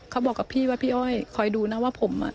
เขาบอกกับพี่ว่าพี่อ้อยคอยดูนะว่าผมอ่ะ